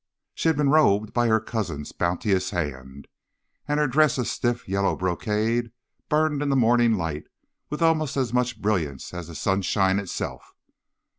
"She had been robed by her cousin's bounteous hand, and her dress of stiff yellow brocade burned in the morning light with almost as much brilliance as the sunshine itself.